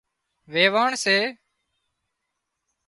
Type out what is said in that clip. ويواڻ سي